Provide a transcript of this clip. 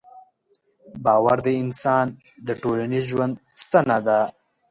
باور د انسان د ټولنیز ژوند ستنه ده.